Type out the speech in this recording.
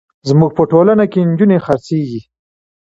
زموږ په ټولنه کې نجونې خرڅېږي.